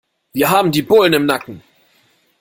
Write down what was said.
Wir haben die Bullen im Nacken.